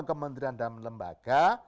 kementerian dan lembaga